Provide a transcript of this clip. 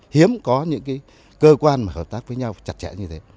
hiếm có những cơ quan hợp tác với nhau chặt chẽ như thế